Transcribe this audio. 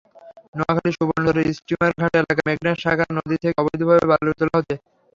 নোয়াখালীর সুবর্ণচরের স্টিমারঘাট এলাকায় মেঘনার শাখা নদী থেকে অবৈধভাবে বালু তোলা হচ্ছে।